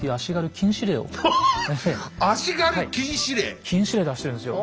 禁止令出してるんですよ。